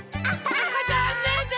あざんねんですね。